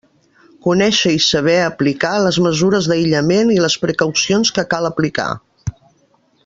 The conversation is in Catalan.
Conèixer i saber aplicar les mesures d'aïllaments i les precaucions que cal aplicar.